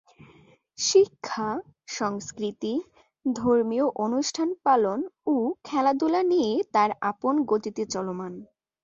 শিক্ষা, সংস্কৃতি, ধর্মীয় অনুষ্ঠান পালন ও খেলাধুলা নিয়ে তার আপন গতিতে চলমান।